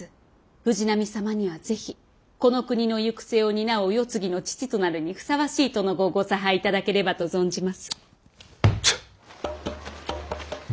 藤波様にはぜひこの国の行く末を担うお世継ぎの父となるにふさわしい殿御をご差配頂ければと存じます。